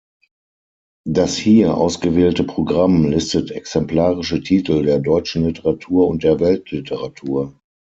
Das hier ausgewählte Programm listet exemplarische Titel der deutschen Literatur und der Weltliteratur.